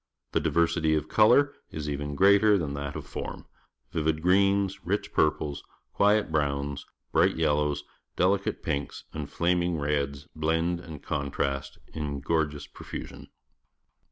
The diversity of colour is even greater than that of form; vivid greens, 240 PUBLIC SCHOOL GEOGRAPHY rich purplos, quiet browns, bright yellows, delicate pinks, and flaniinff reds blend and contrast in gorgeous profusion.